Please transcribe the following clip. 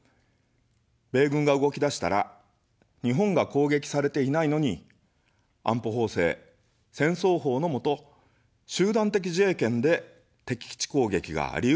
米軍が動き出したら、日本が攻撃されていないのに、安保法制、戦争法のもと、集団的自衛権で敵基地攻撃がありうるというのです。